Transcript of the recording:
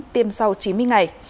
tiêm sau chín mươi ngày